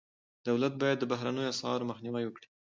دولت باید د بهرنیو اسعارو مخنیوی وکړي.